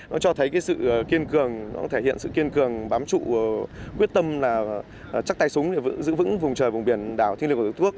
nó cho thấy sự kiên cường nó thể hiện sự kiên cường bám trụ quyết tâm chắc tay súng giữ vững vùng trời vùng biển đảo thiên liệu của đức quốc